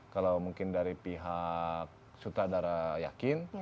kalau mungkin dari pihak sutradara yakin